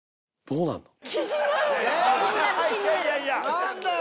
何だよ！？